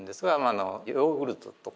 あのヨーグルトとか。